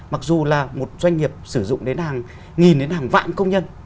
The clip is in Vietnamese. mặc dù là một doanh nghiệp sử dụng đến hàng nghìn đến hàng vạn công nhân